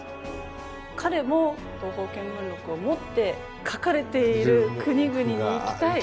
彼も「東方見聞録」を持って書かれている国々に行きたい。